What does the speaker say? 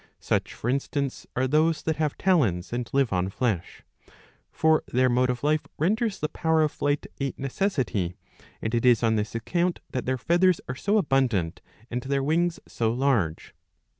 Such, for instance, are those that have talons and live on flesh. For their mode of life renders the power of flight a necessity, and it is on this account that their feathers are so abundant and their wings so large.